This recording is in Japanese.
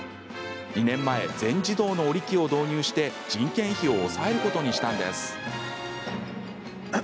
２年前、全自動の織り機を導入して人件費を抑えることにしたんです。